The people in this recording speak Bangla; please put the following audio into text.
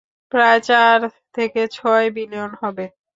প্রায় চার থেকে ছয় বিলিয়ন হবে।